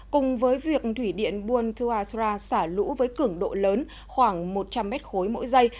cùng với việc thủy điện buon tuasra xả lũ với cứng độ lớn khoảng một trăm linh mét khối mỗi giây